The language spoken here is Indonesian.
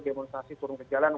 demonstrasi turun ke jalan